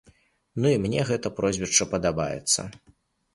Ну і мне гэта прозвішча падабаецца.